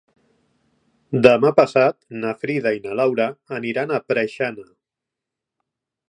Demà passat na Frida i na Laura aniran a Preixana.